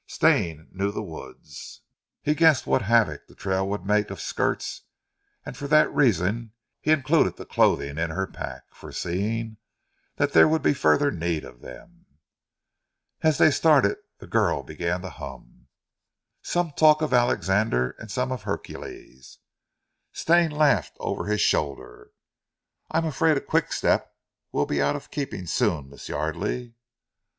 Stane knew the woods; he guessed what havoc the trail would make of skirts and for that reason he included the clothing in her pack, foreseeing that there would be further need of them. As they started the girl began to hum: "Some talk of Alexander And some of Hercules." Stane laughed over his shoulder. "I'm afraid a quick step will be out of keeping soon, Miss Yardely."